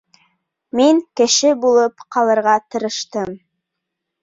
Мин кеше булып ҡалырға тырыштым.